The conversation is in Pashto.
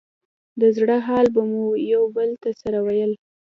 د زړه حال به مو يو بل ته سره ويل.